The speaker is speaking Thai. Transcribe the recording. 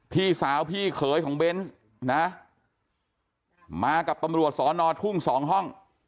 พี่สาวพี่เขยของเบนส์นะมากับตำรวจสอนอทุ่งสองห้อง